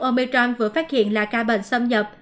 omicron vừa phát hiện là ca bệnh xâm nhập